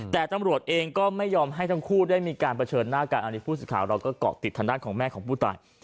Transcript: แต่ตำรวจเองก็ไม่ยอมให้ทั้งคู่ได้มีการเผชิญหน้ากันอันนี้ผู้สื่อข่าวเราก็เกาะติดทางด้านของแม่ของผู้ตาย